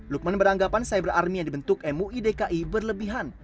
lukman beranggapan cyber army yang dibentuk muidki berlebihan